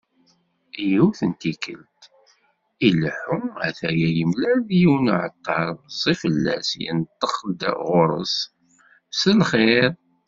Yiwet n tikkelt, ileḥḥu a-t-aya yemlal-d yiwen n uεeṭṭar meẓẓi fell-as, yenṭeq-d γur-s: Mselxir.